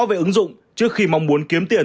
về ứng dụng trước khi mong muốn kiếm tiền